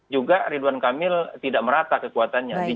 juga ridwan kamil tidak merata kekuatannya